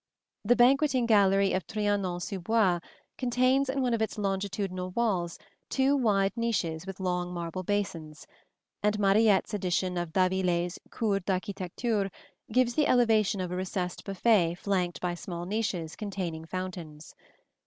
The banqueting gallery of Trianon sous Bois contains in one of its longitudinal walls two wide niches with long marble basins; and Mariette's edition of d'Aviler's Cours d'Architecture gives the elevation of a recessed buffet flanked by small niches containing fountains.